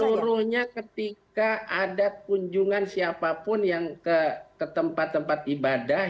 seluruhnya ketika ada kunjungan siapapun yang ke tempat tempat ibadah